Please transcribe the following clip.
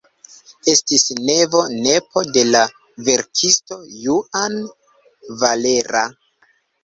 Estis nevo-nepo de la verkisto Juan Valera.